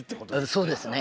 そうですね。